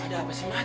ada apa sih ma